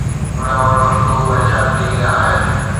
اُڏامڻ وقت هو پريشان ٿي ويندا آهن